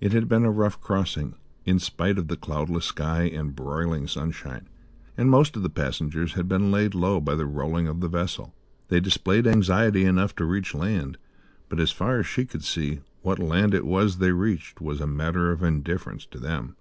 It had been a rough crossing, in spite of the cloudless sky and broiling sunshine, and most of the passengers had been laid low by the rolling of the vessel. They displayed anxiety enough to reach land; but, as far as she could see, what land it was they reached was a matter of indifference to them.